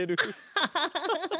アハハハハ。